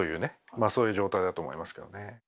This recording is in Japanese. まあそういう状態だと思いますけどね。